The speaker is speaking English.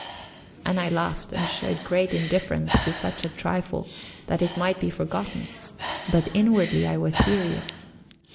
And I laughed, and showed great indifference to such a trifle, that it might be forgotten; but, inwardly, I was serious.